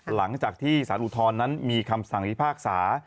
หลังจากที่สารอุทธรณ์นั้นมีคำสั่งพิพากษา